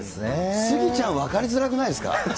スギちゃん、分かりづらくないですか？